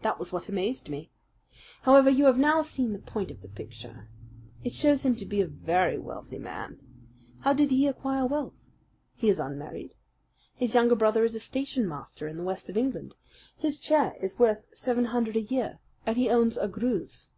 That was what amazed me. However, you have now seen the point of the picture. It shows him to be a very wealthy man. How did he acquire wealth? He is unmarried. His younger brother is a station master in the west of England. His chair is worth seven hundred a year. And he owns a Greuze."